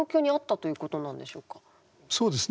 そうですね。